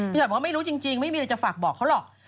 หอยบอกว่าไม่รู้จริงไม่มีอะไรจะฝากบอกเขาหรอก